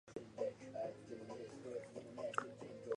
Stokenchurch has a primary school, a library and a fire station.